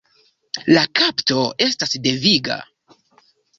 La kapto estas deviga.